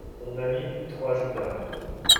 On m’a mis trois jours d’arrêt.